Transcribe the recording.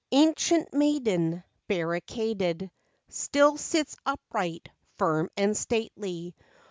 Ancient maiden, barricaded, Still sits upright, firm and stately.